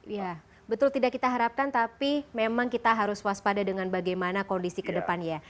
ya betul tidak kita harapkan tapi memang kita harus waspada dengan bagaimana kondisi kedepannya